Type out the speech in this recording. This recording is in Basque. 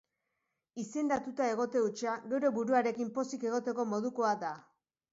Izendatuta egote hutsa geure buruarekin pozik egoteko modukoa da.